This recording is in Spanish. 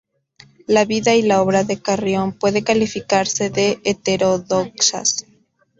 La vida y la obra de Carrión pueden calificarse de heterodoxas.